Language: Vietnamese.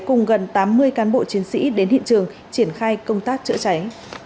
cùng gần tám mươi cán bộ chiến sĩ đến hiện trường triển khai công tác chữa cháy